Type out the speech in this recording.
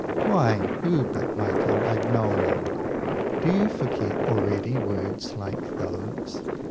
why, who but Michel Agnolo? Do you forget already words like those?)